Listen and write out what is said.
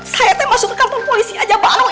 saya ten masuk ke kampung polisi aja bang